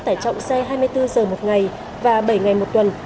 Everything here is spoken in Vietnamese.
tải trọng xe hai mươi bốn giờ một ngày và bảy ngày một tuần